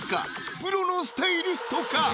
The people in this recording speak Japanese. プロのスタイリストか？